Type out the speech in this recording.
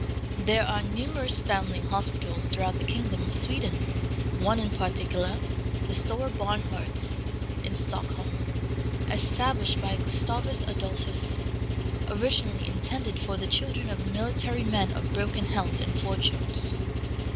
There are numerous foundling hospitals throughout the kingdom of Sweden; one in particular, the Stora Barnhorst in Stockholm, established by Gustavus Adolphus, originally intended for the children of military men of broken health and fortunes.